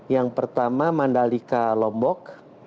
yang pertama mandalika lombok